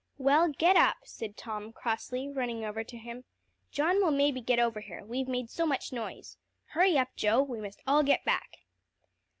"Well, get up," said Tom crossly, running over to him. "John will maybe get over here, we've made so much noise. Hurry up, Joe, we must all get back."